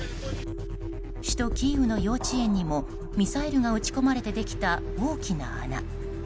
首都キーウの幼稚園にもミサイルが撃ち込まれてできた大きな穴。